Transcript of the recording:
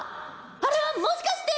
あれはもしかして！